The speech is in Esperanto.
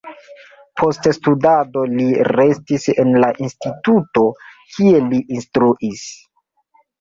Post studado li restis en la instituto, kie li instruis.